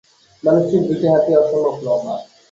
মানুষটির দুটি হাতই অসম্ভব লম্বা।